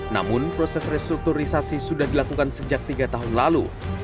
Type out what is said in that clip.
namun proses restrukturisasi sudah dilakukan sejak tiga tahun lalu